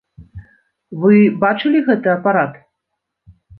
Вы бачылі гэты апарат?!